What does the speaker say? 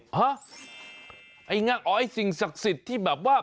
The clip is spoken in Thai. ฮะไอ้ง่าอ๋อไอ้สิ่งศักดิ์สิทธิ์ที่แบบว่า